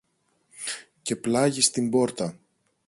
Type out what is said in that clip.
Και πλάγι στην πόρτα